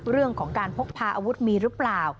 เรื่องของการพกพาอาวุธมีหรือเปล่า